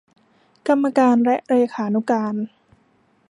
กรรมการและเลขานุการ